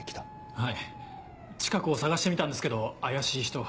はい近くを捜してみたんですけど怪しい人は。